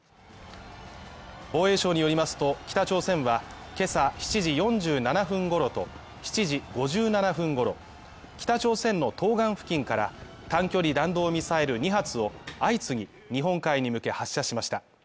防衛省によりますと、北朝鮮はけさ７時４７分ごろと７時５７分ごろ、北朝鮮の東岸付近から短距離弾道ミサイル２発を相次ぎ、日本海に向け発射しました。